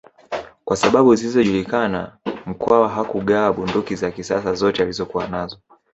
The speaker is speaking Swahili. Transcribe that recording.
Kwa sababu zisizojulikana Mkwawa hakugawa bunduki za kisasa zote alizokuwa nazo